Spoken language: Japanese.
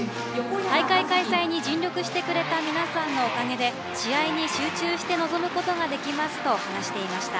「大会開催に尽力してくれた皆さんのおかげで試合に集中して臨むことができます」と話していました。